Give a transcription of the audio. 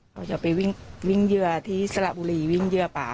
เขาจะไปวิ่งเยื่อที่สระบุรีวิ่งเยื่อป่า